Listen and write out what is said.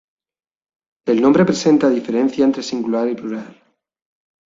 El nombre presenta diferencia entre singular y plural.